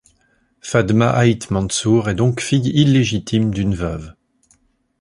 Fadhma Aït Mansour est donc fille illégitime d'une veuve.